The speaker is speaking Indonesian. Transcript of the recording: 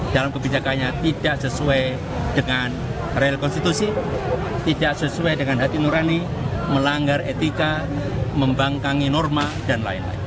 dan mencari kebijakannya tidak sesuai dengan real konstitusi tidak sesuai dengan hati nurani melanggar etika membangkangi norma dan lain lain